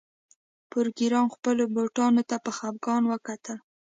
پروګرامر خپلو بوټانو ته په خفګان وکتل